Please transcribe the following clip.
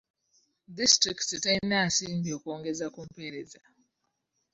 Disitulikiti terina nsimbi okwongeza ku mpeereza.